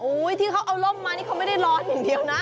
ที่เขาเอาร่มมานี่เขาไม่ได้รออย่างเดียวนะ